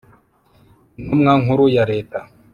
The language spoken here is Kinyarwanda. INTUMWA NKURU YA LETA